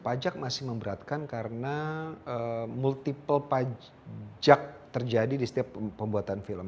pajak masih memberatkan karena multiple pajak terjadi di setiap pembuatan film